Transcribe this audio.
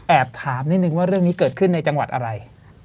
ถามนิดนึงว่าเรื่องนี้เกิดขึ้นในจังหวัดอะไร